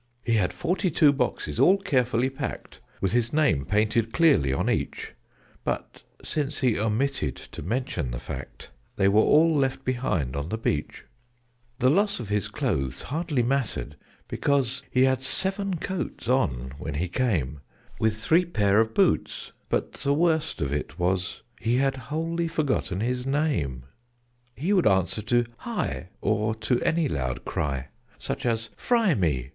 He had forty two boxes, all carefully packed, With his name painted clearly on each: But since he omitted to mention the fact, They were all left behind on the beach. The loss of his clothes hardly mattered, because He had seven coats on when he came, With three pair of boots but the worst of it was He had wholly forgotten his name. [Illustration: "HE HAD WHOLLY FORGOTTEN HIS NAME"] He would answer to "Hi!" or to any loud cry, Such as "Fry me!"